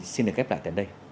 xin được kép lại đến đây